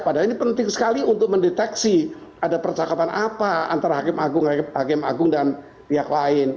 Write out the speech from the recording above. padahal ini penting sekali untuk mendeteksi ada percakapan apa antara hakim agung dan pihak lain